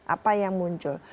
apa yang muncul